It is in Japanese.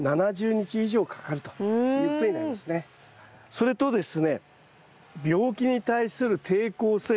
それとですね